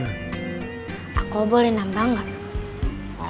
aku boleh nambah gak